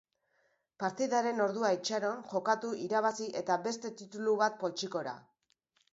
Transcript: Partidaren ordua itxaron, jokatu, irabazi, eta beste titulu bat poltsikora.